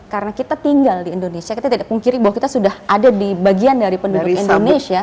karena kita tinggal di indonesia kita tidak pungkiri bahwa kita sudah ada di bagian dari penduduk indonesia